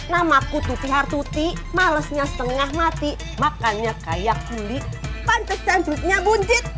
namaku tufi hartuti malesnya setengah mati makannya kayak pilih pantesan rupanya buncit